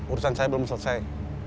urusan saya belum selesai